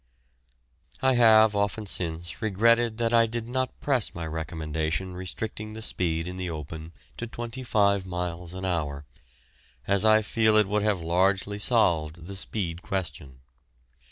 I have often since regretted that I did not press my recommendation restricting the speed in the open to twenty five miles an hour, as I feel it would have largely solved the speed question.